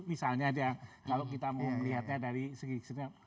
misalnya dia kalau kita mau melihatnya dari segi kesenian